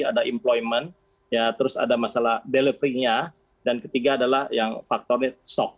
ada employment terus ada masalah delivery nya dan ketiga adalah yang faktornya shock